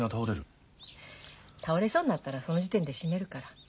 倒れそうになったらその時点で閉めるから。